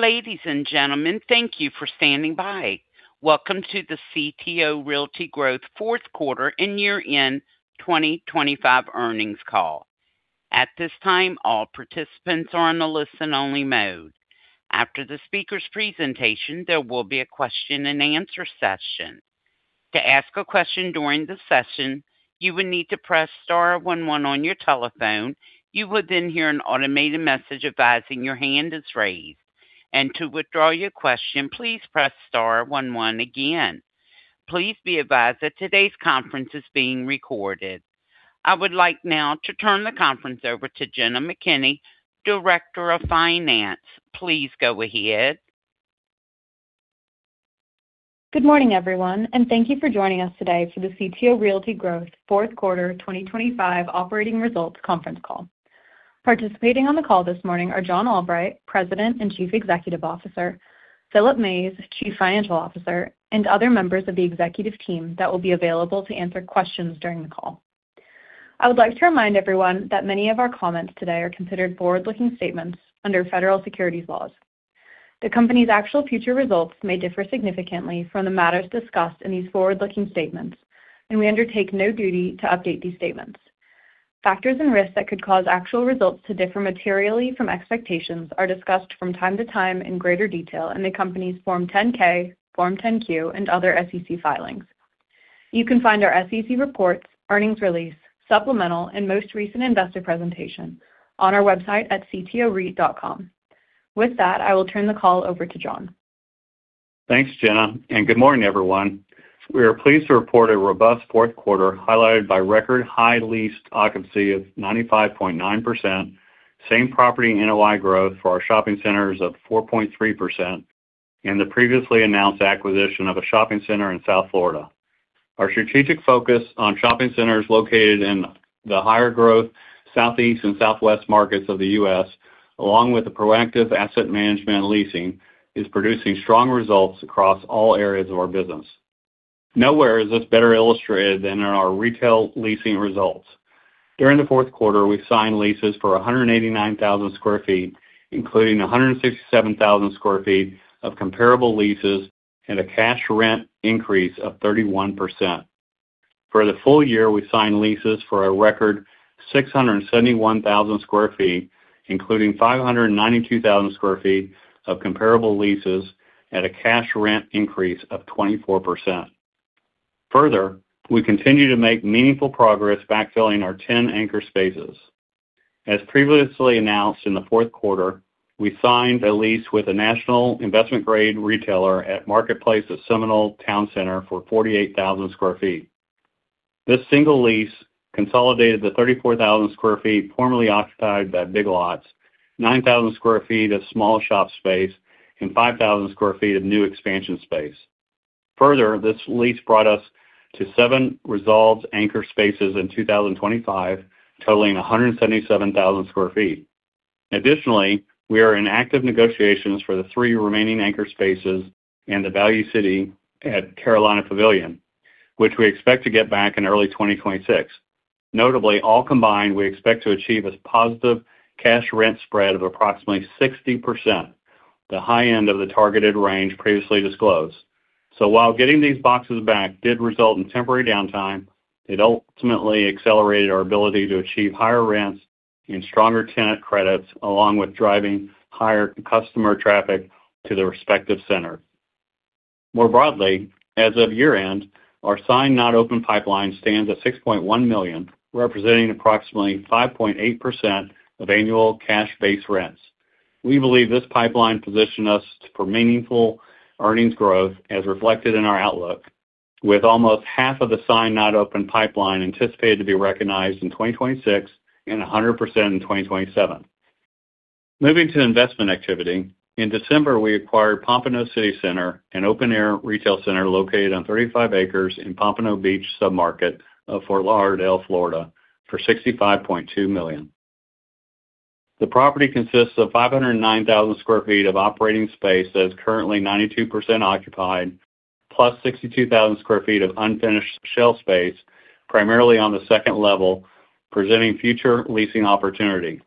Ladies and gentlemen, thank you for standing by. Welcome to the CTO Realty Growth Fourth Quarter and Year-End 2025 Earnings Call. At this time, all participants are on a listen-only mode. After the speaker's presentation, there will be a question and answer session. To ask a question during the session, you will need to press star one one on your telephone. You will then hear an automated message advising your hand is raised, and to withdraw your question, please press star one one again. Please be advised that today's conference is being recorded. I would like now to turn the conference over to Jenna McKinney, Director of Finance. Please go ahead. Good morning, everyone, and thank you for joining us today for the CTO Realty Growth Fourth Quarter 2025 operating results conference call. Participating on the call this morning are John Albright, President and Chief Executive Officer, Philip Mays, Chief Financial Officer, and other members of the executive team that will be available to answer questions during the call. I would like to remind everyone that many of our comments today are considered forward-looking statements under federal securities laws. The company's actual future results may differ significantly from the matters discussed in these forward-looking statements, and we undertake no duty to update these statements. Factors and risks that could cause actual results to differ materially from expectations are discussed from time to time in greater detail in the company's Form 10-K, Form 10-Q, and other SEC filings. You can find our SEC reports, earnings release, supplemental, and most recent investor presentation on our website at ctoreit.com. With that, I will turn the call over to John. Thanks, Jenna, and good morning, everyone. We are pleased to report a robust fourth quarter, highlighted by record high leased occupancy of 95.9%, same property NOI growth for our shopping centers of 4.3%, and the previously announced acquisition of a shopping center in South Florida. Our strategic focus on shopping centers located in the higher growth Southeast and Southwest markets of the U.S., along with the proactive asset management and leasing, is producing strong results across all areas of our business. Nowhere is this better illustrated than in our retail leasing results. During the fourth quarter, we signed leases for 189,000 sq ft, including 167,000 sq ft of comparable leases and a cash rent increase of 31%. For the full year, we signed leases for a record 671,000 sq ft, including 592,000 sq ft of comparable leases at a cash rent increase of 24%. Further, we continue to make meaningful progress backfilling our 10 anchor spaces. As previously announced, in the fourth quarter, we signed a lease with a national investment-grade retailer at Marketplace at Seminole Towne Center for 48,000 sq ft. This single lease consolidated the 34,000 sq ft formerly occupied by Big Lots, 9,000 sq ft of small shop space, and 5,000 sq ft of new expansion space. Further, this lease brought us to 7 resolved anchor spaces in 2025, totaling 177,000 sq ft. Additionally, we are in active negotiations for the three remaining anchor spaces and the Value City at Carolina Pavilion, which we expect to get back in early 2026. Notably, all combined, we expect to achieve a positive cash rent spread of approximately 60%, the high end of the targeted range previously disclosed. So while getting these boxes back did result in temporary downtime, it ultimately accelerated our ability to achieve higher rents and stronger tenant credits, along with driving higher customer traffic to the respective center. More broadly, as of year-end, our Signed, Not Open pipeline stands at $6.1 million, representing approximately 5.8% of annual cash base rents. We believe this pipeline positioned us for meaningful earnings growth, as reflected in our outlook, with almost half of the signed, not open pipeline anticipated to be recognized in 2026 and 100% in 2027. Moving to investment activity. In December, we acquired Pompano Citi Centre, an open-air retail center located on 35 acres in Pompano Beach submarket of Fort Lauderdale, Florida, for $65.2 million. The property consists of 509,000 sq ft of operating space that is currently 92% occupied, plus 62,000 sq ft of unfinished shell space, primarily on the second level, presenting future leasing opportunity.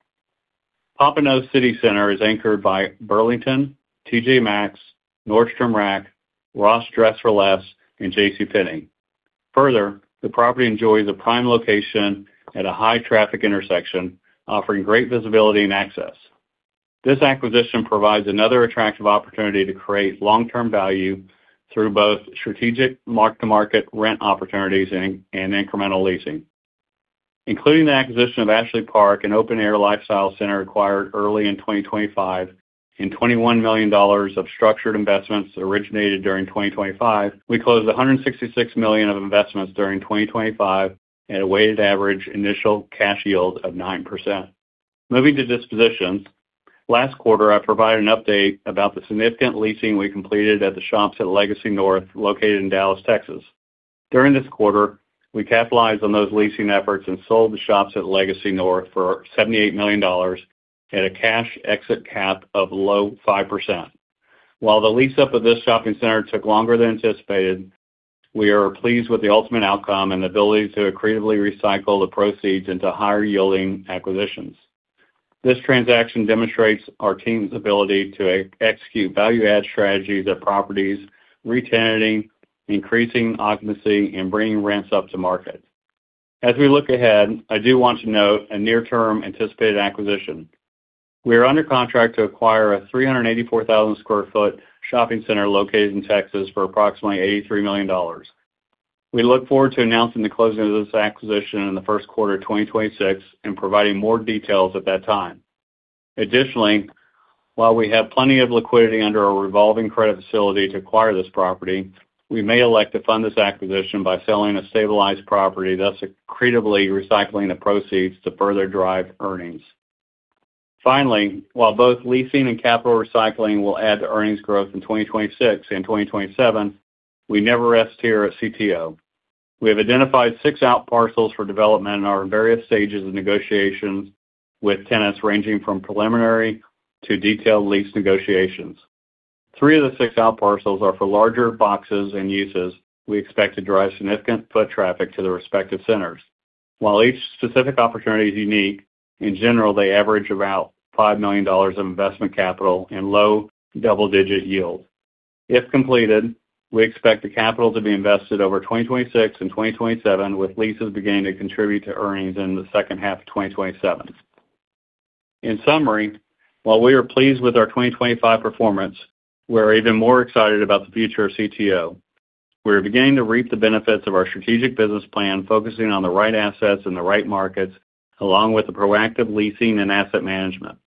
Pompano Citi Centre is anchored by Burlington, TJ Maxx, Nordstrom Rack, Ross Dress for Less, and JCPenney. Further, the property enjoys a prime location at a high traffic intersection, offering great visibility and access. This acquisition provides another attractive opportunity to create long-term value through both strategic mark-to-market rent opportunities and, and incremental leasing. Including the acquisition of Ashley Park, an open-air lifestyle center acquired early in 2025, and $21 million of structured investments originated during 2025, we closed $166 million of investments during 2025 at a weighted average initial cash yield of 9%. Moving to dispositions. Last quarter, I provided an update about the significant leasing we completed at the Shops at Legacy North, located in Dallas, Texas. During this quarter, we capitalized on those leasing efforts and sold the Shops at Legacy North for $78 million at a cash exit cap of low 5%. While the lease up of this shopping center took longer than anticipated. We are pleased with the ultimate outcome and the ability to creatively recycle the proceeds into higher-yielding acquisitions. This transaction demonstrates our team's ability to execute value-add strategies at properties, re-tenanting, increasing occupancy, and bringing rents up to market. As we look ahead, I do want to note a near-term anticipated acquisition. We are under contract to acquire a 384,000 sq ft shopping center located in Texas for approximately $83 million. We look forward to announcing the closing of this acquisition in the first quarter of 2026 and providing more details at that time. Additionally, while we have plenty of liquidity under our revolving credit facility to acquire this property, we may elect to fund this acquisition by selling a stabilized property, thus creatively recycling the proceeds to further drive earnings. Finally, while both leasing and capital recycling will add to earnings growth in 2026 and 2027, we never rest here at CTO. We have identified six outparcels for development and are in various stages of negotiations with tenants, ranging from preliminary to detailed lease negotiations. Three of the six outparcels are for larger boxes and uses we expect to drive significant foot traffic to the respective centers. While each specific opportunity is unique, in general, they average about $5 million of investment capital and low double-digit yields. If completed, we expect the capital to be invested over 2026 and 2027, with leases beginning to contribute to earnings in the second half of 2027. In summary, while we are pleased with our 2025 performance, we're even more excited about the future of CTO. We're beginning to reap the benefits of our strategic business plan, focusing on the right assets and the right markets, along with the proactive leasing and asset management.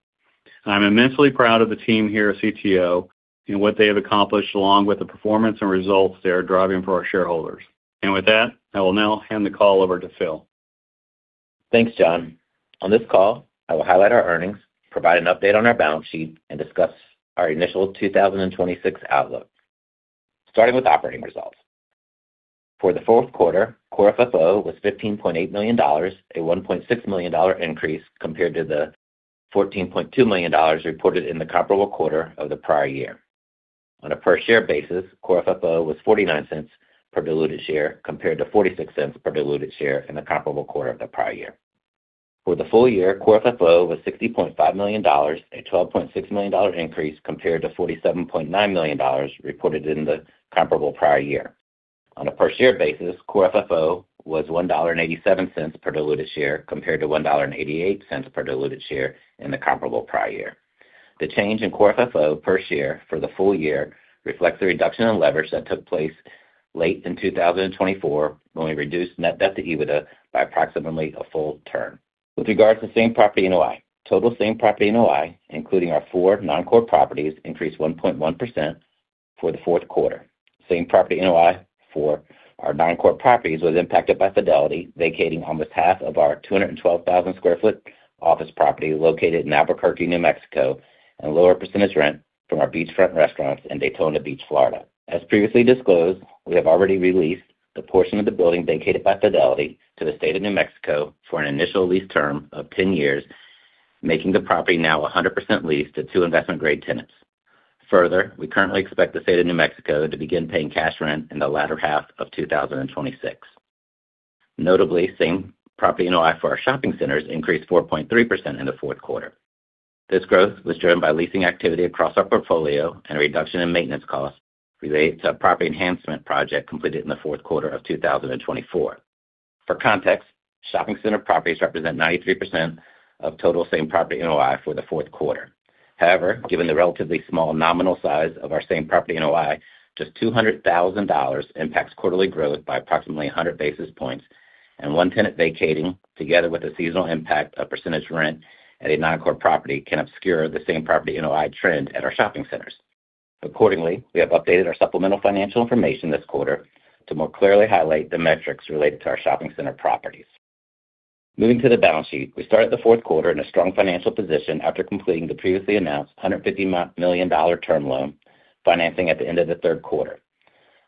I'm immensely proud of the team here at CTO and what they have accomplished, along with the performance and results they are driving for our shareholders. With that, I will now hand the call over to Phil. Thanks, John. On this call, I will highlight our earnings, provide an update on our balance sheet, and discuss our initial 2026 outlook. Starting with operating results. For the fourth quarter, Core FFO was $15.8 million, a $1.6 million increase compared to the $14.2 million reported in the comparable quarter of the prior year. On a per-share basis, Core FFO was $0.49 per diluted share, compared to $0.46 per diluted share in the comparable quarter of the prior year. For the full year, Core FFO was $60.5 million, a $12.6 million increase compared to $47.9 million reported in the comparable prior year. On a per-share basis, Core FFO was $1.87 per diluted share, compared to $1.88 per diluted share in the comparable prior year. The change in Core FFO per share for the full year reflects the reduction in leverage that took place late in 2024, when we reduced net debt to EBITDA by approximately a full term. With regards to same-property NOI, total same-property NOI, including our four non-core properties, increased 1.1% for the fourth quarter. Same-property NOI for our non-core properties was impacted by Fidelity vacating almost half of our 212,000 sq ft office property located in Albuquerque, New Mexico, and lower percentage rent from our beachfront restaurants in Daytona Beach, Florida. As previously disclosed, we have already released the portion of the building vacated by Fidelity to the State of New Mexico for an initial lease term of 10 years, making the property now 100% leased to two investment-grade tenants. Further, we currently expect the State of New Mexico to begin paying cash rent in the latter half of 2026. Notably, Same-Property NOI for our shopping centers increased 4.3% in the fourth quarter. This growth was driven by leasing activity across our portfolio and a reduction in maintenance costs related to a property enhancement project completed in the fourth quarter of 2024. For context, shopping center properties represent 93% of total Same-Property NOI for the fourth quarter. However, given the relatively small nominal size of our same-property NOI, just $200,000 impacts quarterly growth by approximately 100 basis points, and one tenant vacating, together with the seasonal impact of percentage rent at a non-core property, can obscure the same-property NOI trend at our shopping centers. Accordingly, we have updated our supplemental financial information this quarter to more clearly highlight the metrics related to our shopping center properties. Moving to the balance sheet, we started the fourth quarter in a strong financial position after completing the previously announced $150 million term loan financing at the end of the third quarter.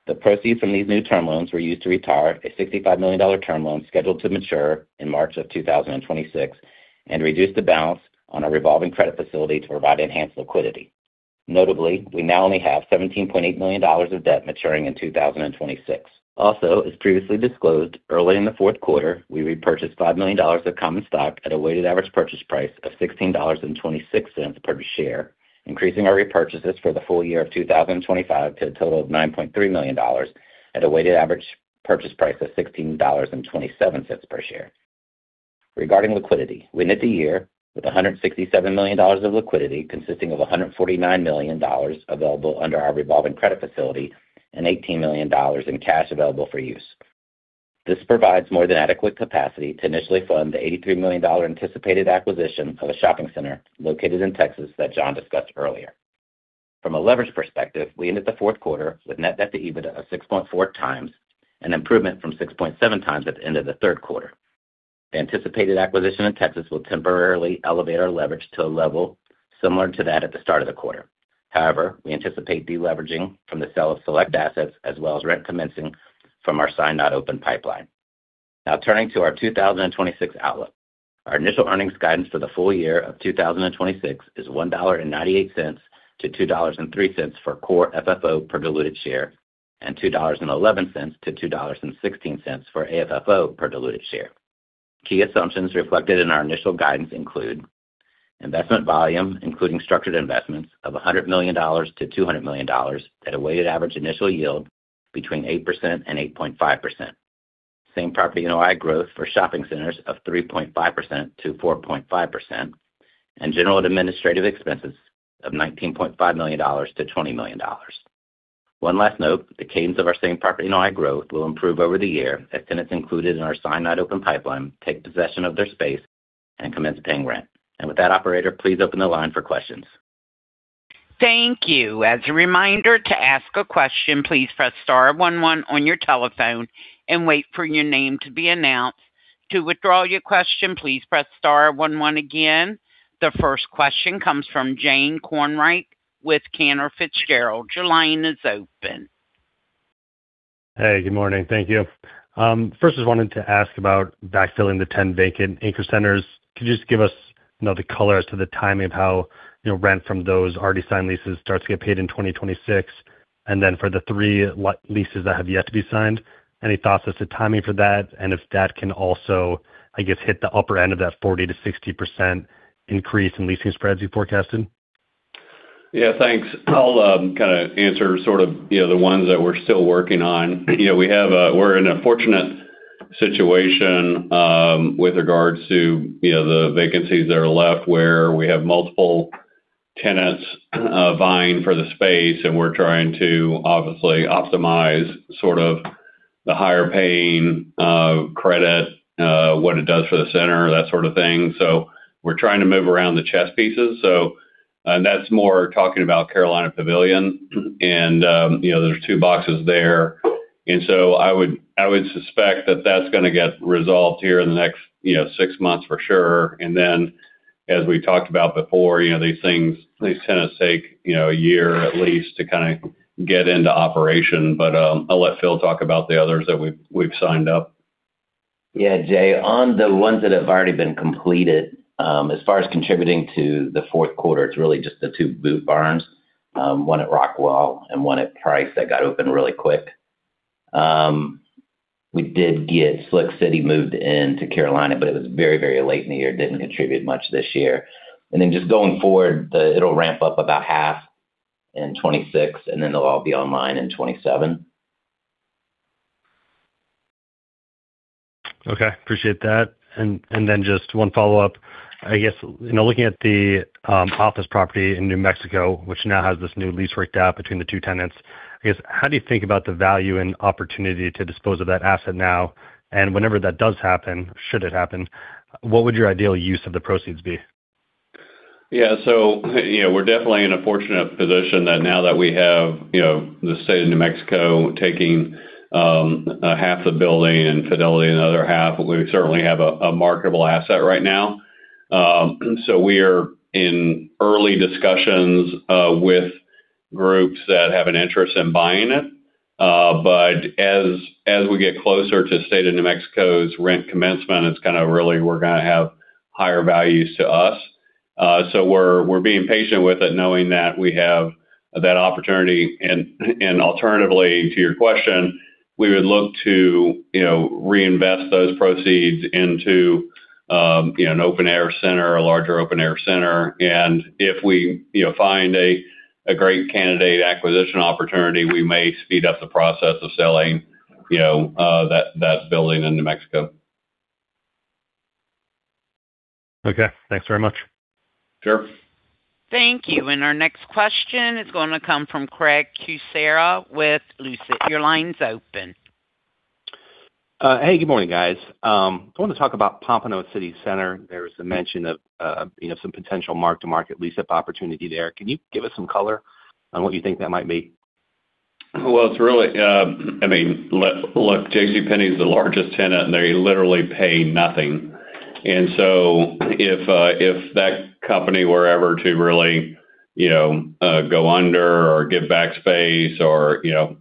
The proceeds from these new term loans were used to retire a $65 million term loan scheduled to mature in March of 2026 and reduce the balance on our revolving credit facility to provide enhanced liquidity. Notably, we now only have $17.8 million of debt maturing in 2026. Also, as previously disclosed, early in the fourth quarter, we repurchased $5 million of common stock at a weighted average purchase price of $16.26 per share, increasing our repurchases for the full year of 2025 to a total of $9.3 million at a weighted average purchase price of $16.27 per share. Regarding liquidity, we ended the year with $167 million of liquidity, consisting of $149 million available under our revolving credit facility and $18 million in cash available for use. This provides more than adequate capacity to initially fund the $83 million anticipated acquisition of a shopping center located in Texas that John discussed earlier. From a leverage perspective, we ended the fourth quarter with net debt to EBITDA of 6.4x, an improvement from 6.7x at the end of the third quarter. The anticipated acquisition in Texas will temporarily elevate our leverage to a level similar to that at the start of the quarter. However, we anticipate deleveraging from the sale of select assets as well as rent commencing from our Signed, Not Open pipeline. Now turning to our 2026 outlook. Our initial earnings guidance for the full year of 2026 is $1.98-$2.03 for Core FFO per diluted share, and $2.11-$2.16 for AFFO per diluted share. Key assumptions reflected in our initial guidance include investment volume, including structured investments of $100 million-$200 million at a weighted average initial yield between 8% and 8.5%. Same-property NOI growth for shopping centers of 3.5%-4.5%, and general administrative expenses of $19.5 million-$20 million. One last note, the cadence of our same-property NOI growth will improve over the year as tenants included in our Signed, Not Open pipeline, take possession of their space and commence paying rent. And with that, operator, please open the line for questions. Thank you. As a reminder to ask a question, please press star one one on your telephone and wait for your name to be announced. To withdraw your question, please press star one one again. The first question comes from Jay Kornreich with Cantor Fitzgerald. Your line is open. Hey, good morning. Thank you. First, just wanted to ask about backfilling the 10 vacant anchor centers. Could you just give us, you know, the color as to the timing of how, you know, rent from those already signed leases starts to get paid in 2026? And then for the three leases that have yet to be signed, any thoughts as to timing for that, and if that can also, I guess, hit the upper end of that 40%-60% increase in leasing spreads you forecasted? Yeah, thanks. I'll kind of answer sort of, you know, the ones that we're still working on. You know, we're in a fortunate situation with regards to, you know, the vacancies that are left, where we have multiple tenants vying for the space, and we're trying to, obviously, optimize sort of the higher paying credit, what it does for the center, that sort of thing. So we're trying to move around the chess pieces. So, and that's more talking about Carolina Pavilion, and, you know, there's two boxes there. And so I would, I would suspect that that's gonna get resolved here in the next, you know, six months for sure. And then as we talked about before, you know, these things, these tenants take, you know, a year at least to kind of get into operation. I'll let Phil talk about the others that we've signed up. Yeah, Jay, on the ones that have already been completed, as far as contributing to the fourth quarter, it's really just the two Boot Barns, one at Rockwall and one at Price that got opened really quick. We did get Slick City moved in to Carolina, but it was very, very late in the year, didn't contribute much this year. Then just going forward, it'll ramp up about half in 2026, and then they'll all be online in 2027. Okay, appreciate that. And then just one follow-up. I guess, you know, looking at the office property in New Mexico, which now has this new lease worked out between the two tenants, I guess, how do you think about the value and opportunity to dispose of that asset now? And whenever that does happen, should it happen, what would your ideal use of the proceeds be? Yeah. So, you know, we're definitely in a fortunate position that now that we have, you know, the State of New Mexico taking half the building and Fidelity another half, we certainly have a marketable asset right now. So we are in early discussions with groups that have an interest in buying it. But as we get closer to State of New Mexico's rent commencement, it's kind of really we're gonna have higher values to us. So we're being patient with it, knowing that we have that opportunity. And alternatively, to your question, we would look to, you know, reinvest those proceeds into, you know, an open-air center or a larger open-air center. If we, you know, find a great candidate acquisition opportunity, we may speed up the process of selling, you know, that building in New Mexico. Okay, thanks very much. Sure. Thank you. Our next question is gonna come from Craig Kucera with Lucid. Your line's open. Hey, good morning, guys. I want to talk about Pompano Citi Centre. There was a mention of, you know, some potential mark-to-market lease-up opportunity there. Can you give us some color on what you think that might be? Well, it's really, I mean, look, look, JCPenney is the largest tenant, and they literally pay nothing. And so if, if that company were ever to really, you know, go under or give back space or, you know,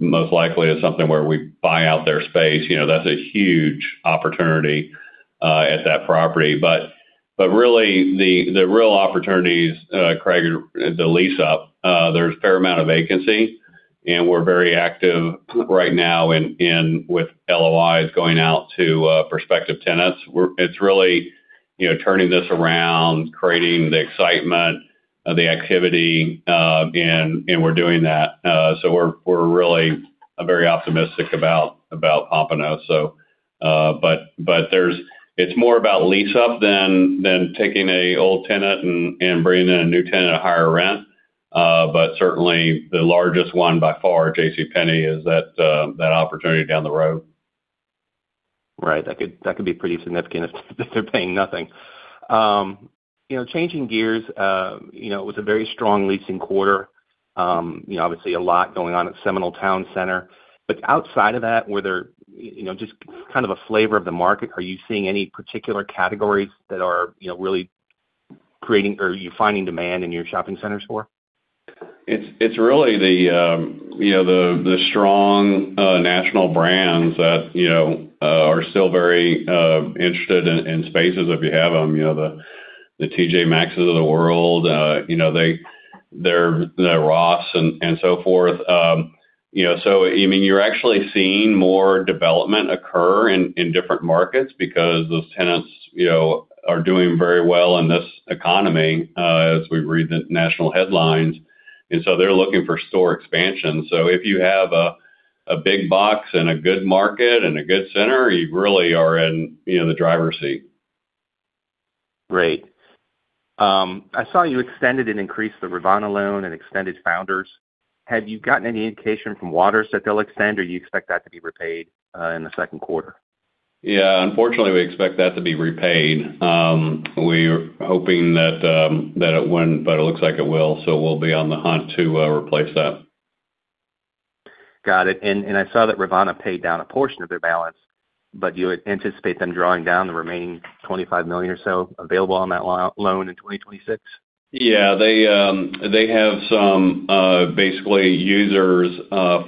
most likely, it's something where we buy out their space, you know, that's a huge opportunity, at that property. But, but really, the, the real opportunities, Craig, the lease up, there's a fair amount of vacancy, and we're very active right now in, in-- with LOIs going out to, prospective tenants. We're-- It's really, you know, turning this around, creating the excitement, the activity, and, and we're doing that. So we're, we're really very optimistic about, about Pompano. It's more about lease up than taking an old tenant and bringing in a new tenant at a higher rent. But certainly, the largest one, by far, JCPenney, is that opportunity down the road. Right. That could, that could be pretty significant if, if they're paying nothing. You know, changing gears, you know, it was a very strong leasing quarter. You know, obviously a lot going on at Seminole Towne Center. But outside of that, were there, you know, just kind of a flavor of the market, are you seeing any particular categories that are, you know, really creating or are you finding demand in your shopping centers for? It's really the, you know, the strong national brands that, you know, are still very interested in spaces if you have them. You know, the TJ Maxx's of the world, you know, they—the Ross and so forth. You know, so, I mean, you're actually seeing more development occur in different markets because those tenants, you know, are doing very well in this economy, as we read the national headlines, and so they're looking for store expansion. So if you have a big box and a good market and a good center, you really are in, you know, the driver's seat. Great. I saw you extended and increased the Rivanna loan and extended founders. Have you gotten any indication from Watters that they'll extend, or do you expect that to be repaid in the second quarter? Yeah, unfortunately, we expect that to be repaid. We are hoping that it wouldn't, but it looks like it will. So we'll be on the hunt to replace that. Got it. And I saw that Rivanna paid down a portion of their balance, but do you anticipate them drawing down the remaining $25 million or so available on that loan in 2026? Yeah, they, they have some, basically users,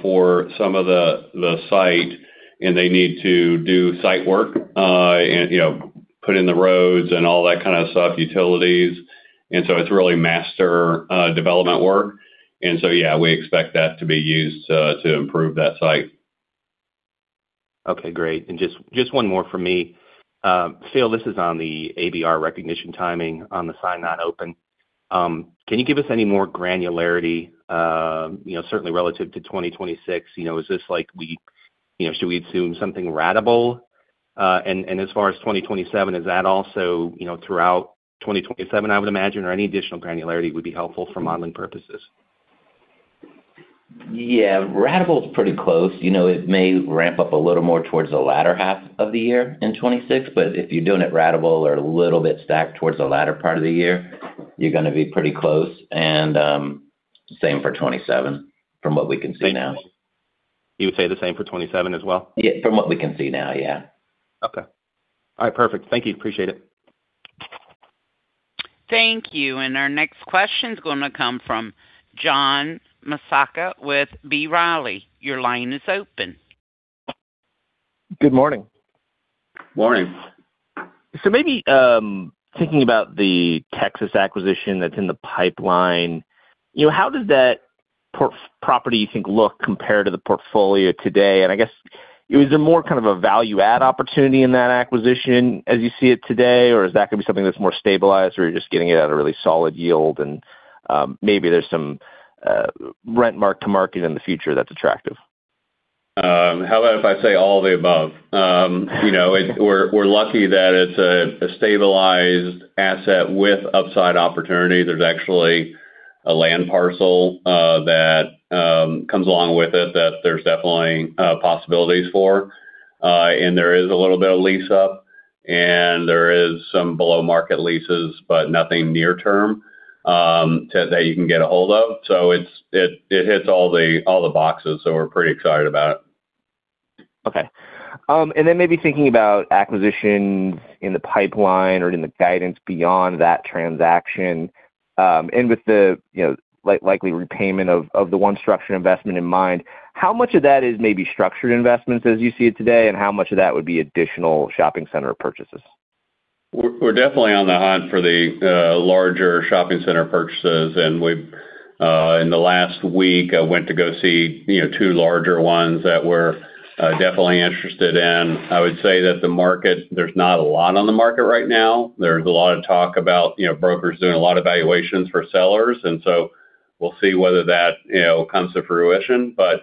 for some of the, the site, and they need to do site work, and, you know, put in the roads and all that kind of stuff, utilities. And so it's really master development work. And so, yeah, we expect that to be used to improve that site. Okay, great. And just, just one more from me. Phil, this is on the ABR recognition timing on the signed, not open. Can you give us any more granularity, you know, certainly relative to 2026? You know, is this like we—you know, should we assume something ratable? And, and as far as 2027, is that also, you know, throughout 2027, I would imagine, or any additional granularity would be helpful for modeling purposes. Yeah, ratable is pretty close. You know, it may ramp up a little more towards the latter half of the year in 2026, but if you're doing it ratable or a little bit stacked towards the latter part of the year, you're gonna be pretty close. And, same for 2027 from what we can see now. You would say the same for 2027 as well? Yeah, from what we can see now, yeah. Okay. All right, perfect. Thank you. Appreciate it. Thank you. Our next question is gonna come from John Massocca with B. Riley. Your line is open. Good morning. Morning. So maybe, thinking about the Texas acquisition that's in the pipeline, you know, how does that property, you think, look compared to the portfolio today? And I guess, is it more kind of a value add opportunity in that acquisition as you see it today, or is that gonna be something that's more stabilized, or you're just getting it at a really solid yield, and, maybe there's some rent mark-to-market in the future that's attractive? How about if I say all the above? You know, we're lucky that it's a stabilized asset with upside opportunity. There's actually a land parcel that comes along with it, that there's definitely possibilities for. And there is a little bit of lease up, and there is some below-market leases, but nothing near term to that you can get a hold of. So it hits all the boxes, so we're pretty excited about it. Okay. And then maybe thinking about acquisitions in the pipeline or in the guidance beyond that transaction, and with the, you know, like, likely repayment of, of the one structured investment in mind, how much of that is maybe structured investments as you see it today, and how much of that would be additional shopping center purchases? We're definitely on the hunt for the larger shopping center purchases, and we've in the last week went to go see, you know, two larger ones that we're definitely interested in. I would say that the market, there's not a lot on the market right now. There's a lot of talk about, you know, brokers doing a lot of valuations for sellers, and so we'll see whether that, you know, comes to fruition, but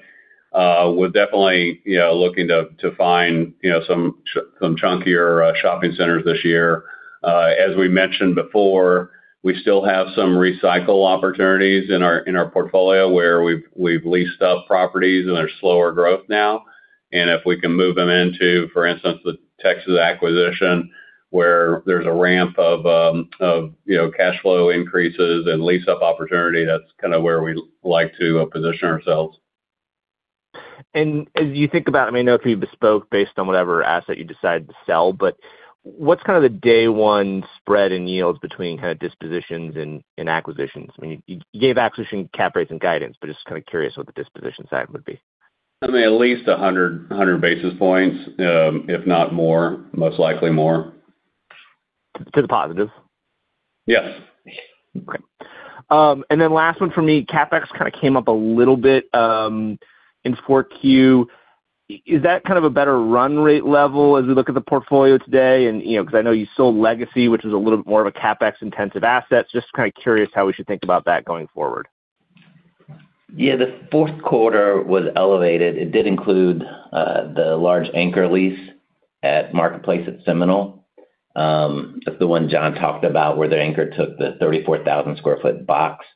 we're definitely, you know, looking to find, you know, some chunkier shopping centers this year. As we mentioned before, we still have some recycle opportunities in our portfolio, where we've leased up properties, and they're slower growth now. If we can move them into, for instance, the Texas acquisition, where there's a ramp of, you know, cash flow increases and lease-up opportunity, that's kind of where we like to position ourselves. As you think about, I mean, I know if you bespoke based on whatever asset you decided to sell, but what's kind of the day one spread in yields between kind of dispositions and acquisitions? I mean, you gave acquisition cap rates and guidance, but just kind of curious what the disposition side would be. I mean, at least 100, 100 basis points, if not more, most likely more. To the positive? Yes. Okay. And then last one from me, CapEx kind of came up a little bit in 4Q. Is that kind of a better run rate level as we look at the portfolio today? And, you know, because I know you sold Legacy, which is a little more of a CapEx-intensive asset. Just kind of curious how we should think about that going forward. Yeah, the fourth quarter was elevated. It did include the large anchor lease at Marketplace at Seminole. That's the one John talked about, where the anchor took the 34,000 sq ft box,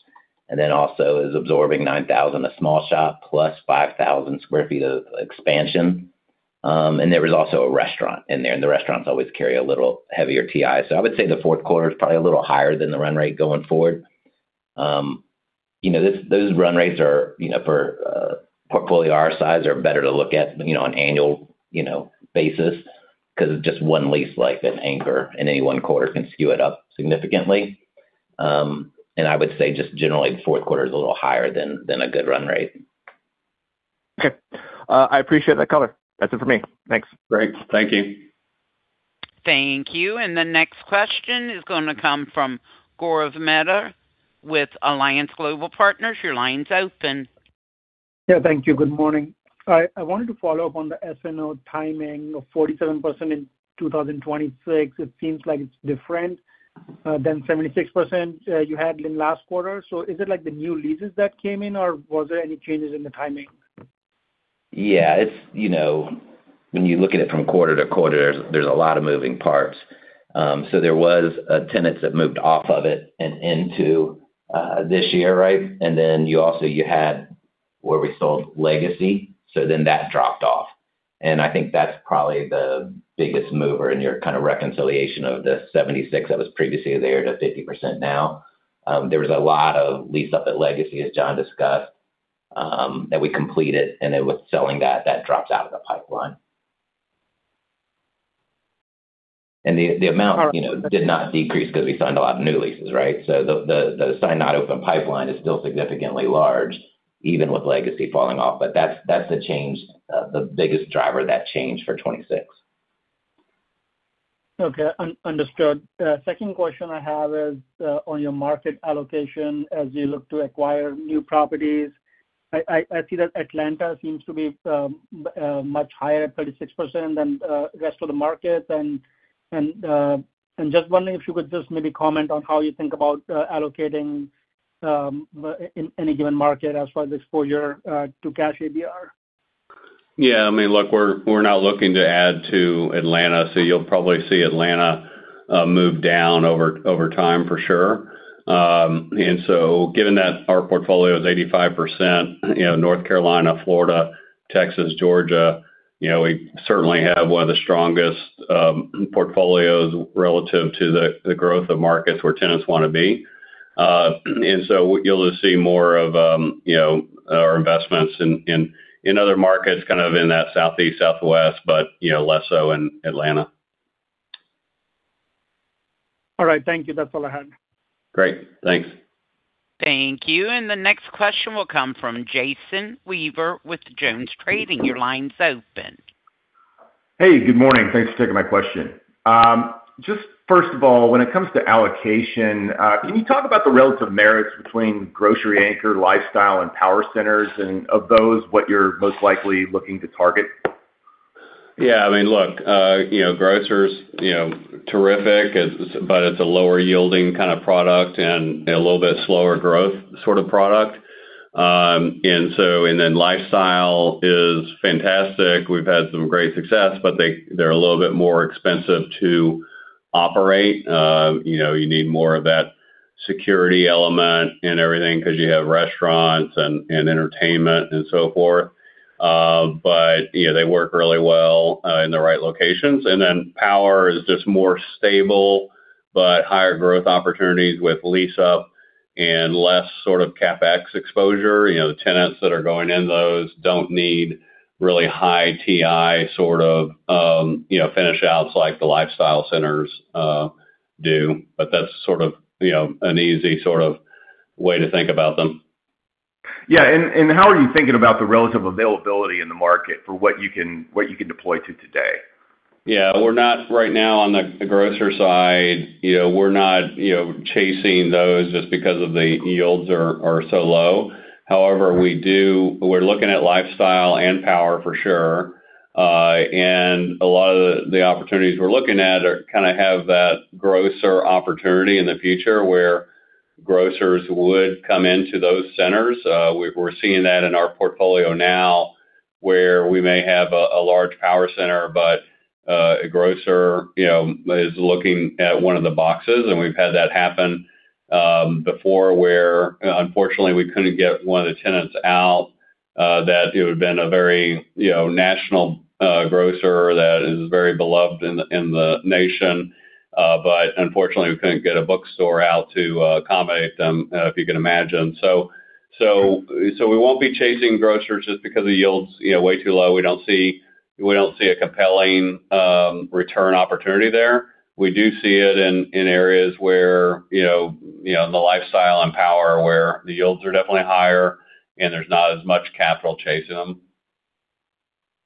and then also is absorbing 9,000 sq ft, a small shop, plus 5,000 sq ft of expansion. And there was also a restaurant in there, and the restaurants always carry a little heavier TI. So I would say the fourth quarter is probably a little higher than the run rate going forward. You know, this, those run rates are, you know, for portfolio our size, are better to look at, you know, on annual, you know, basis. Cause it's just one lease, like an anchor, in any one quarter can skew it up significantly. And I would say just generally, the fourth quarter is a little higher than a good run rate. Okay. I appreciate that color. That's it for me. Thanks. Great. Thank you. Thank you. The next question is gonna come from Gaurav Mehta with Alliance Global Partners. Your line's open. Yeah, thank you. Good morning. I wanted to follow up on the SNO timing of 47% in 2026. It seems like it's different than 76% you had in last quarter. So is it like the new leases that came in, or was there any changes in the timing? Yeah, it's, you know, when you look at it from quarter to quarter, there's a lot of moving parts. So there was tenants that moved off of it and into this year, right? And then you also, you had where we sold Legacy, so then that dropped off. And I think that's probably the biggest mover in your kind of reconciliation of the 76 that was previously there to 50% now. There was a lot of lease up at Legacy, as John discussed, that we completed, and it was selling that, that dropped out of the pipeline. And the amount, you know, did not decrease because we signed a lot of new leases, right? So the signed, not open pipeline is still significantly large, even with Legacy falling off, but that's the change, the biggest driver of that change for 2026. Okay, understood. Second question I have is on your market allocation as you look to acquire new properties. I see that Atlanta seems to be much higher, 36% than the rest of the market. And just wondering if you could just maybe comment on how you think about allocating in any given market as far as exposure to cash ABR. Yeah, I mean, look, we're not looking to add to Atlanta, so you'll probably see Atlanta move down over time, for sure. And so given that our portfolio is 85%, you know, North Carolina, Florida, Texas, Georgia, you know, we certainly have one of the strongest portfolios relative to the growth of markets where tenants wanna be. And so you'll just see more of, you know, our investments in other markets, kind of in that southeast, southwest, but, you know, less so in Atlanta. All right. Thank you. That's all I had. Great. Thanks. Thank you. The next question will come from Jason Weaver with JonesTrading. Your line's open. Hey, good morning. Thanks for taking my question. Just first of all, when it comes to allocation, can you talk about the relative merits between grocery anchor, lifestyle, and power centers, and of those, what you're most likely looking to target? Yeah, I mean, look, you know, grocers, you know, terrific, it's-- but it's a lower yielding kind of product and a little bit slower growth sort of product. And so, and then lifestyle is fantastic. We've had some great success, but they-- they're a little bit more expensive to operate. You know, you need more of that security element and everything 'cause you have restaurants and entertainment and so forth. But, you know, they work really well in the right locations. And then power is just more stable, but higher growth opportunities with lease-up and less sort of CapEx exposure. You know, tenants that are going in those don't need really high TI sort of, you know, finish outs like the lifestyle centers do. But that's sort of, you know, an easy sort of way to think about them. Yeah, and how are you thinking about the relative availability in the market for what you can deploy to today? Yeah, we're not right now on the grocer side, you know, we're not, you know, chasing those just because the yields are so low. However, we do. We're looking at lifestyle and power for sure. And a lot of the opportunities we're looking at are kind of have that grocer opportunity in the future, where grocers would come into those centers. We've. We're seeing that in our portfolio now, where we may have a large power center, but a grocer, you know, is looking at one of the boxes, and we've had that happen before, where, unfortunately, we couldn't get one of the tenants out that it would have been a very, you know, national grocer that is very beloved in the nation. But unfortunately, we couldn't get a bookstore out to accommodate them, if you can imagine. So we won't be chasing grocers just because the yields, you know, way too low. We don't see a compelling return opportunity there. We do see it in areas where, you know, in the lifestyle and power, where the yields are definitely higher and there's not as much capital chasing them.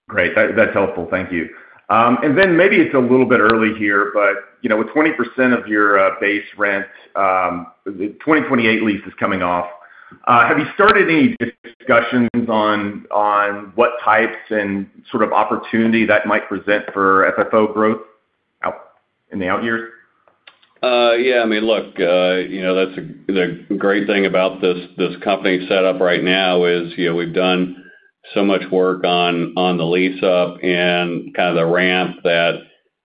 Great. That, that's helpful. Thank you. And then maybe it's a little bit early here, but, you know, with 20% of your base rent, the 2028 lease is coming off. Have you started any discussions on what types and sort of opportunity that might present for FFO growth out in the out years? Yeah, I mean, look, you know, that's the great thing about this company set up right now is, you know, we've done so much work on the lease-up and kind of the ramp that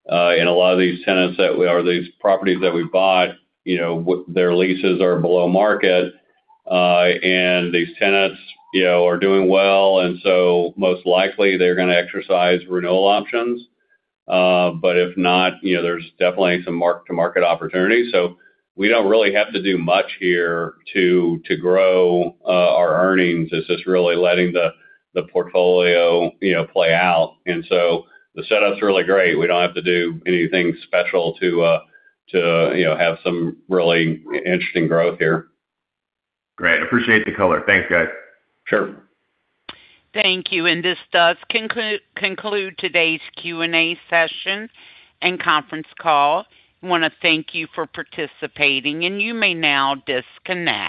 in a lot of these tenants or these properties that we bought, you know, their leases are below market, and these tenants, you know, are doing well, and so most likely they're gonna exercise renewal options. But if not, you know, there's definitely some mark-to-market opportunity. So we don't really have to do much here to grow our earnings. It's just really letting the portfolio, you know, play out. And so the setup's really great. We don't have to do anything special to, you know, have some really interesting growth here. Great. Appreciate the color. Thanks, guys. Sure. Thank you. This does conclude today's Q&A session and conference call. I wanna thank you for participating, and you may now disconnect.